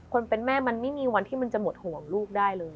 คนเป็นแม่มันไม่มีวันที่มันจะหมดห่วงลูกได้เลย